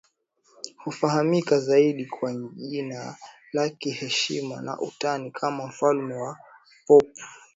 Hufahamika zaidi kwa jina la kiheshima na utani kama Mfalme wa Popu